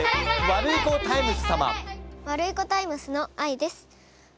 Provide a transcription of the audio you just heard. ワルイコタイムスのあいです。